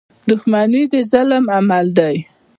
• دښمني د ظالم عمل دی.